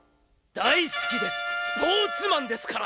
「大好きです。